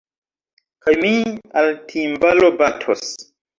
Kaj mi al timbalo batos.